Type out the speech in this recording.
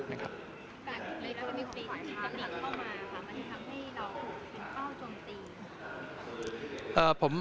แล้วก็มีความความความสนิทเข้ามามันทำให้เราเป็นเป้าจนจริง